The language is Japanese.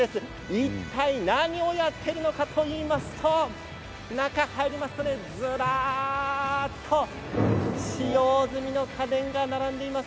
いったい何をやっているのかといいますと中に入りますと、ずらりと使用済みの家電が並んでいます。